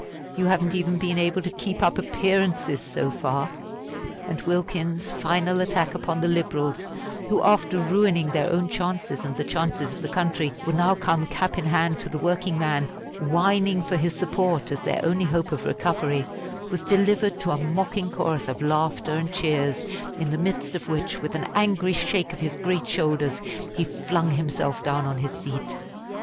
you haven't even been able to keep up appearances so far!" And Wilkins's final attack upon the Liberals who, after ruining their own chances and the chances of the country, were now come cap in hand to the working man whining for his support as their only hope of recovery was delivered to a mocking chorus of laughter and cheers, in the midst of which, with an angry shake of his great shoulders, he flung himself down on his seat.